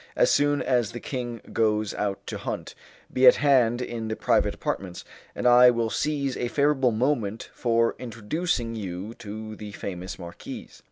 As soon as the king goes out to hunt, be at hand in the private apartments, and I will seize a favourable moment for introducing you to the famous marquise.